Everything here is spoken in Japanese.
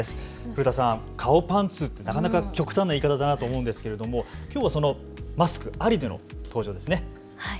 古田さん、顔パンツ、なかなか極端な言い方だと思うんですけれども、きょうはそのマスクありでの登場ですね。